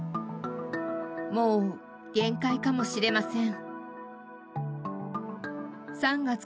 もう限界かもしれません。